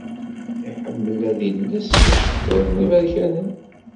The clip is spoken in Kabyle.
Iḥemmel ad iles iceṭṭiḍen iberkanen